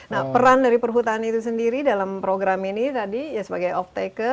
nah peran dari perhutani itu sendiri dalam program ini tadi ya sebagai off taker